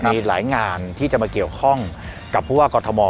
มีหลายงานที่จะมาเกี่ยวข้องกับผู้ว่ากรทม